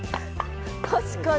確かに。